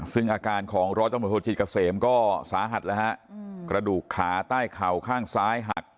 ซึ่งอาการของร้อยตำรวจโทษจิตเกษมก็สาหัสแล้วฮะกระดูกขาใต้เข่าข้างซ้ายหัก